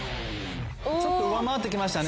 ちょっと上回ってきましたね。